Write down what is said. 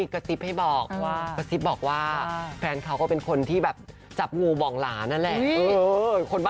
กระซิบให้บอกฟังว่าแฟนเค้าก็เป็นคนที่แบบจับงูบองหลานั่นแหละ